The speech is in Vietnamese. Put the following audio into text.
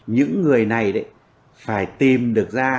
những người này phải tìm được ra